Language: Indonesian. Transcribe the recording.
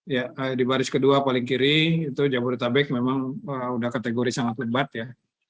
ya di baris kedua paling kiri itu jabodetabek memang sudah kategori sangat lebat ya